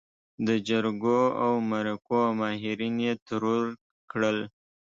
د جرګو او مرکو ماهرين يې ترور کړل.